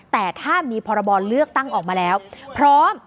แต่ถ้ามีพรบเลือกตั้งออกมาแล้วพร้อม